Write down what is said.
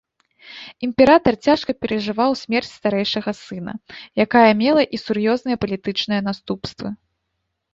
Імператар цяжка перажываў смерць старэйшага сына, якая мела і сур'ёзныя палітычныя наступствы.